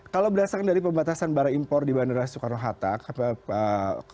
kalau berdasarkan dari pembatasan barang impor di bandara soekarno hatta